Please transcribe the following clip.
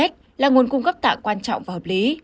người chết là nguồn cung cấp tạng quan trọng và hợp lý